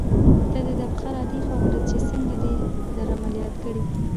ته دې دا پښه را دې خوا کړه چې څنګه دې در عملیات کړې.